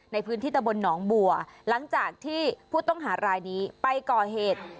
ในพื้นที่ตะบนหนองบัวหลังจากที่ผู้ต้องหารายนี้ไปก่อเหตุ